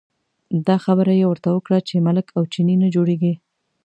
دا خبره یې ورته وکړه چې ملک او چینی نه جوړېږي.